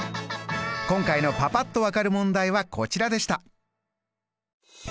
今回のパパっと分かる問題はこちらでした。